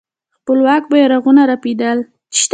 خپلواک بيرغونه رپېدل.